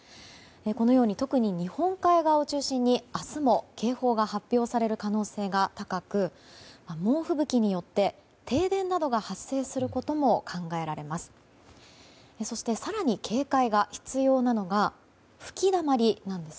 このように、特に日本海側を中心に、明日も警報が発表される可能性が高く猛吹雪によって停電などが発生することも考えられます。